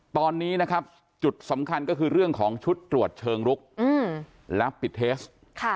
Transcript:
ตอนนี้นะครับจุดสำคัญก็คือเรื่องของชุดตรวจเชิงลุกและปิดเทส